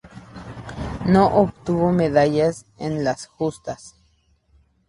No obtuvo medallas en las justas.